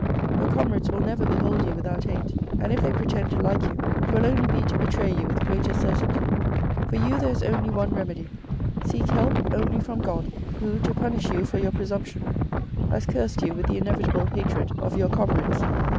Your comrades will never behold you without hate, and if they pretend to like you, it will only be to betray you with greater certainty. For this there is only one remedy. Seek help only from God, who, to punish you for your presumption, has cursed you with the inevitable hatred of your comrades.